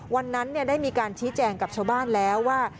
วันนั้นได้มีการชี้แจงกับชาวบ้านแล้วว่า